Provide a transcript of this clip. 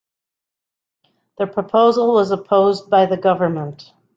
The proposal was opposed by the government.